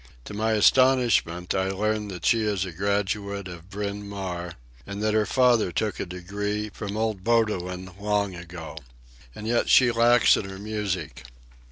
To my astonishment I learn that she is a graduate of Bryn Mawr, and that her father took a degree from old Bowdoin long ago. And yet she lacks in her music.